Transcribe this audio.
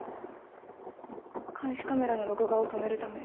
監視カメラの録画を止めるため。